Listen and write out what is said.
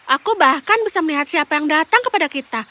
aku bahkan bisa melihat siapa yang datang kepada kita